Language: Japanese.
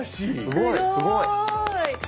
すごい。